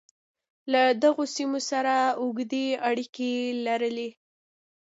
له دغو سیمو سره اوږدې اړیکې لرلې.